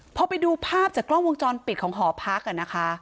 พอไปดูภาพจากกล้องวงจรปิดของหอพักนะคะ